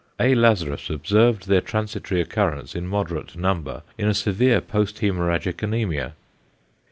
A. Lazarus observed their transitory occurrence in moderate number in a severe posthæmorrhagic anæmia.